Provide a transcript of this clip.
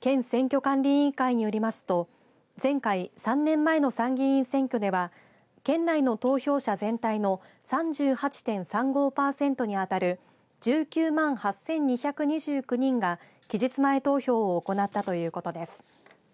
県選挙管理委員会によりますと前回、３年前の参議院選挙では県内の投票者全体の３８．３５％に当たる１９万８２２９人が期日前投票を行ったということです。